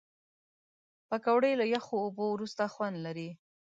پکورې له یخو اوبو وروسته خوند لري